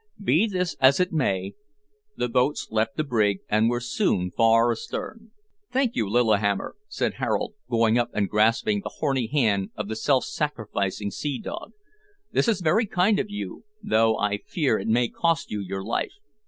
Be this as it may, the boats left the brig, and were soon far astern. "Thank you, Lillihammer," said Harold, going up and grasping the horny hand of the self sacrificing sea dog. "This is very kind of you, though I fear it may cost you your life.